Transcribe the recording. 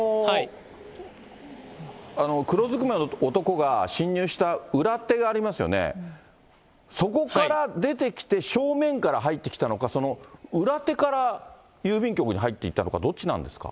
その、黒ずくめの男が侵入した裏手がありますよね、そこから出てきて、正面から入ってきたのか、裏手から郵便局に入っていったのか、どっちなんですか？